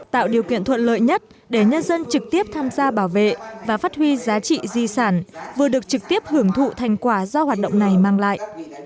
tạo điều kiện thuận lợi nhất để nhân dân trực tiếp tham gia bảo vệ và phát huy giá trị di sản vừa được trực tiếp hưởng thụ thành quả do hoạt động này mang lại